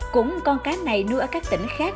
cũng con cá này nuôi ở các tỉnh khác